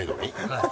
はい。